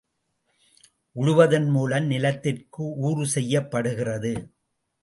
உழுவதன்மூலம் நிலத்திற்கு ஊறு செய்யப்படுகிறது.